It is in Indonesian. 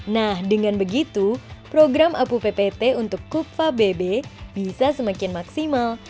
nah dengan begitu program apu ppt untuk kupa bb bisa semakin maksimal